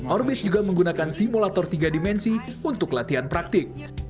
orbis juga menggunakan simulator tiga dimensi untuk latihan praktik